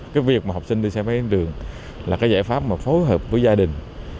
cái việc mà học sinh đi xe máy đến trường là cái giải pháp mà phối hợp với gia đình